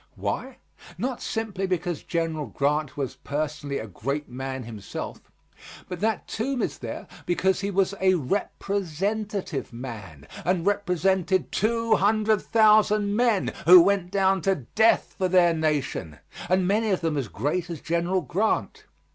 Why, not simply because General Grant was personally a great man himself, but that tomb is there because he was a representative man and represented two hundred thousand men who went down to death for their nation and many of them as great as General Grant.